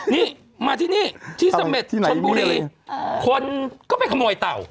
นี่มาที่นี่ที่เสม็ดชนบุรีคนก็ไปขโมยเต่า